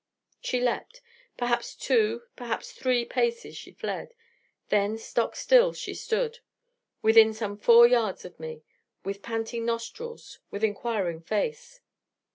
She leapt: perhaps two, perhaps three, paces she fled: then stock still she stood within some four yards of me with panting nostrils, with enquiring face.